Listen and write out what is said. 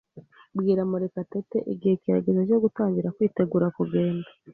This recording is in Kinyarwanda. Bwira Murekatete igihe kirageze cyo gutangira kwitegura kugenda.